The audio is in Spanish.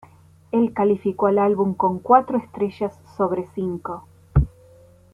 Él calificó al álbum con cuatro estrellas sobre cinco.